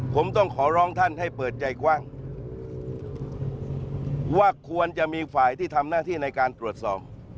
ผมต้องขอร้องท่านให้เปิดใจกว้างว่าควรจะมีฝ่ายที่ทำหน้าที่ในการตรวจสอบ